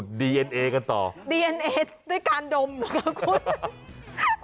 แบบนี้คือแบบนี้คือแบบนี้คือแบบนี้คือ